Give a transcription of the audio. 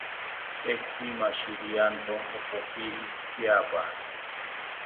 Entzi mashirianto ompojiri tyaapa